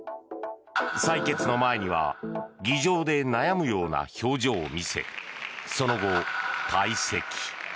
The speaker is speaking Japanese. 採決の前には議場で悩むような表情を見せその後、退席。